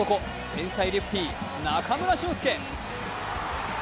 天才レフティ・中村俊輔。